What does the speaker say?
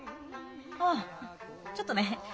あちょっとね。